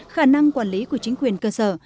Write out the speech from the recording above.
khả năng quản lý của chính quyền cơ sở